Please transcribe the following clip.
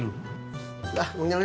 udah emang nyala gak